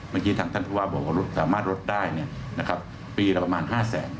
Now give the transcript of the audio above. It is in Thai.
เมื่อกี้ทางท่านผู้ว่าบอกว่าสามารถลดได้ปีละประมาณ๕แสน